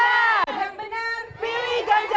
yang benar pilih ganjar